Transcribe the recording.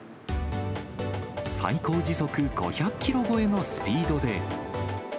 最高時速５００キロ超えのスピードで。